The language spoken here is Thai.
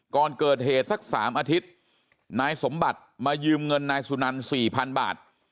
ก่อนเกิดเหตุสัก๓อาทิตย์นายสมบัติมายืมเงินนายสุนัน๔๐๐๐บาท